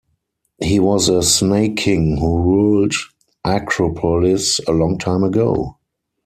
He was a snake king who ruled Acropolis a long time ago.